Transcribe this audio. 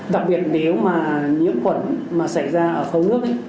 đặc biệt nếu mà nhiễm khuẩn mà xảy ra ở khâu nước ấy